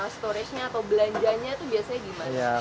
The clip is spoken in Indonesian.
storage nya atau belanjanya itu biasanya gimana